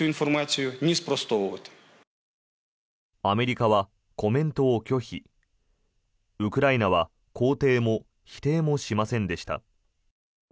アメリカはコメントを拒否ウクライナは肯定も否定もしませんでした。